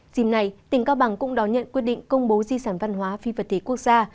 dìm này tỉnh cao bằng cũng đón nhận quyết định công bố di sản văn hóa phi vật thể quốc gia